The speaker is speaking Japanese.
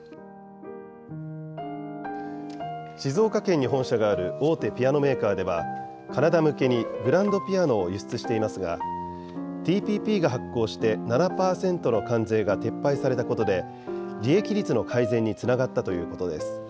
静岡県に本社がある大手ピアノメーカーでは、カナダ向けにグランドピアノを輸出していますが、ＴＰＰが発効して７％の関税が撤廃されたことで、利益率の改善につながったということです。